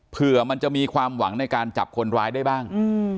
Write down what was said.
เผื่อมันจะมีความหวังในการจับคนร้ายได้บ้าง